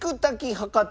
博多